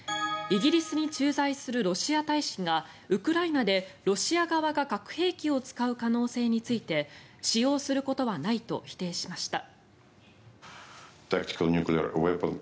イギリスに駐在するロシア大使がウクライナでロシア側が核兵器を使う可能性について使用することはないと否定しました。